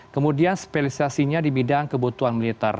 kemudian spelisasinya di bidang kebutuhan militer